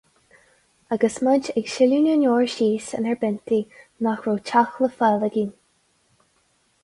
Agus muid ag sileadh na ndeor síos inár bpiontaí mar nach raibh teach le fáil againn.